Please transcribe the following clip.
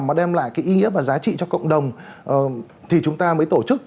mà đem lại cái ý nghĩa và giá trị cho cộng đồng thì chúng ta mới tổ chức